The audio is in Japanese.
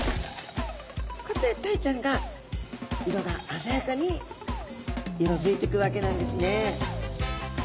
こうやってタイちゃんが色があざやかに色づいてくわけなんですね。